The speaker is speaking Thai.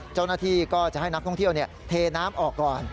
เจ้าหน้าที่ก็จะให้นักท่องเที่ยวเทน้ำออกก่อน